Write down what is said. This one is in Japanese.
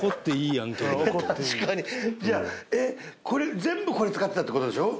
いやえっこれ全部これ使ってたって事でしょ？